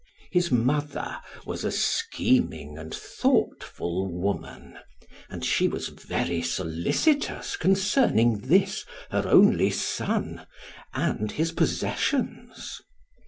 His mother was a scheming and thoughtful woman, and she was very solicitous concerning this her only son and his possessions.